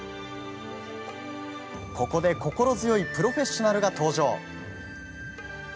ここで心強いプロフェッショナルが登場。